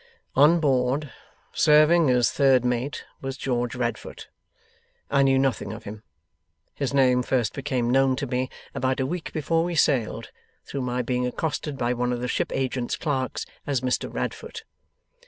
'On board serving as third mate was George Radfoot. I knew nothing of him. His name first became known to me about a week before we sailed, through my being accosted by one of the ship agent's clerks as "Mr Radfoot."